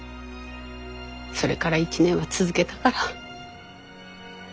それから１年は続けたから。